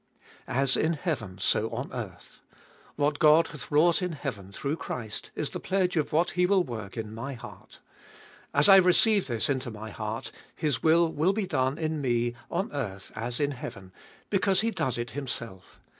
1. As in heaven so on earth. What God hath wrought in heaven, through Christ, is the pledge of what He will work in my heart. As I receive this into my heart, His will will be done in me, on earth as in heaven, because He does it Himself.